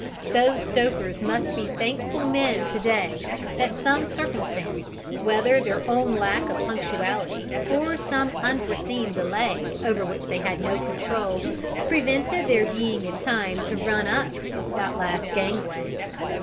Those stokers must be thankful men to day that some circumstance, whether their own lack of punctuality or some unforeseen delay over which they had no control, prevented their being in time to run up that last gangway!